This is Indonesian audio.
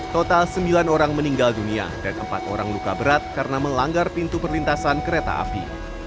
total sembilan orang meninggal dunia dan empat orang luka berat karena melanggar pintu perlintasan kereta api